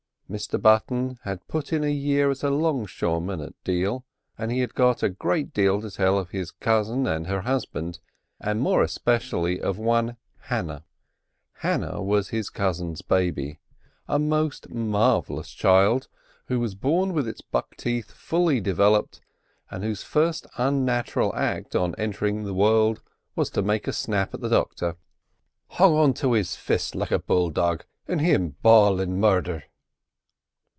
Mr Button had put in a year as a longshoreman at Deal, and he had got a great lot to tell of his cousin and her husband, and more especially of one, Hannah; Hannah was his cousin's baby—a most marvellous child, who was born with its "buck" teeth fully developed, and whose first unnatural act on entering the world was to make a snap at the "docther." "Hung on to his fist like a bull dog, and him bawlin' 'Murther!